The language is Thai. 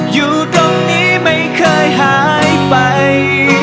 อยู่ตรงนี้ไม่เคยหายไป